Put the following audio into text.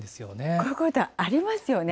こういうことありますよね。